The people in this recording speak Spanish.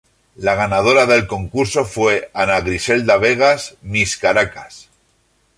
La ganadora del concurso fue Ana Griselda Vegas, Miss Caracas.